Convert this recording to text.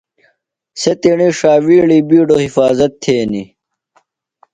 سےۡ تیݨی ݜاوِیڑی بِیڈوۡ حفاظت تھینیۡ۔